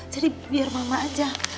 jadi biar mama aja